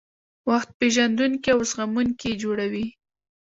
وخت پېژندونکي او زغموونکي یې جوړوي.